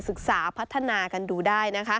ศึกษาพัฒนากันดูได้นะคะ